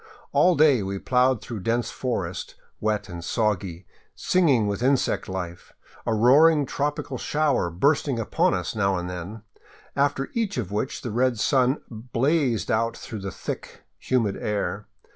All day we plowed through dense forest, wet and soggy, singing with insect life, a roaring tropical shower bursting upon us now and then, after each of which the red sun blazed out through the thick, humid air.